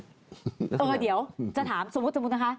เออเดี๋ยวจะถามสมมุตินะคะ